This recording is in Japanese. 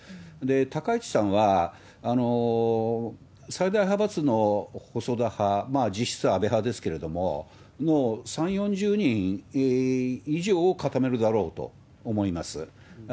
高市さんは、最大派閥の細田派、実質安倍派ですけれども、もう３、４０人以上を固めるだろうと思います。